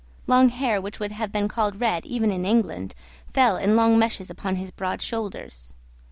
Long hair, which would have been called red even in England, fell in long meshes upon his broad shoulders.